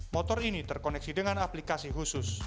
motor ini terkoneksi dengan aplikasi khusus